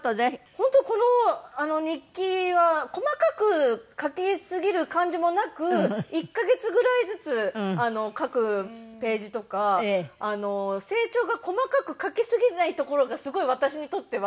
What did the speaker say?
本当この日記は細かく書きすぎる感じもなく１カ月ぐらいずつ書くページとか成長が細かく書きすぎないところがすごい私にとっては。